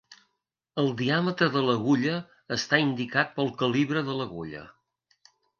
El diàmetre de l'agulla està indicat pel calibre de l'agulla.